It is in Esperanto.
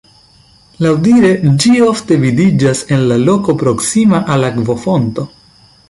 Laŭdire ĝi ofte vidiĝas en la loko proksima al akvofonto.